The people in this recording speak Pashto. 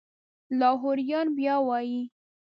لاهوریان بیا وایي.